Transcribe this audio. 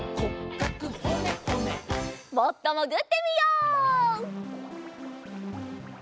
もっともぐってみよう。